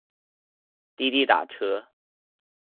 滴滴打车